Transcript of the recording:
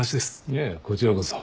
いえこちらこそ。